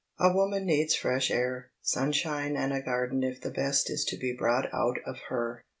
A woman needs fresh air, sunshine and a garden if the best is to be brought out of her.